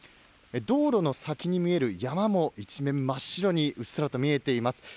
道路の先に見える山も一面真っ白にうっすらと見えています。